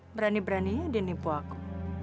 berani beraninya dia nipu aku